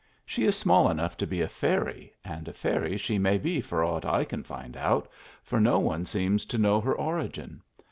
She is small enough to be a fairy, and a fairy she may be for aught I can find out, for no one seems to know her origin.